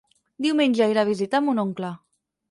Diumenge irà a visitar mon oncle.